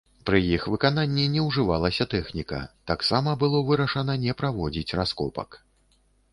Пры іх выкананні не ўжывалася тэхніка, таксама было вырашана не праводзіць раскопак.